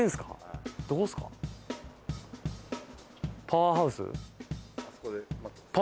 パワーハウス？